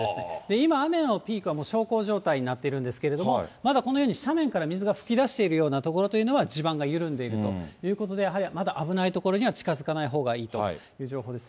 今、雨のピークはもう小康状態になっているんですけれども、まだこのように斜面から水が噴き出しているような所というのは、地盤が緩んでいるということで、やはりまだ危ない所には近づかないほうがいいという状況です。